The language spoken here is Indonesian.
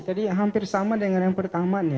tadi hampir sama dengan yang pertamanya